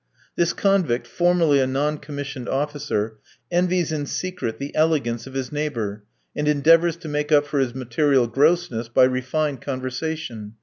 This convict, formerly a non commissioned officer, envies in secret the elegance of his neighbour, and endeavours to make up for his material grossness by refined conversation.